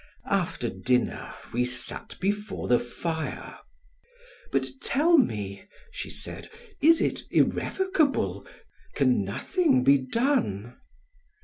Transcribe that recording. After dinner we sat before the fire. "But tell me," she said, "is it irrevocable? Can nothing be done?"